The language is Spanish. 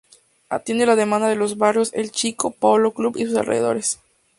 Atiende la demanda de los barrios El Chicó, Polo Club y sus alrededores.